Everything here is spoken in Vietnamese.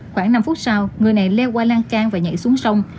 khoảng năm phút sau người này leo qua lan can và nhảy xuống sông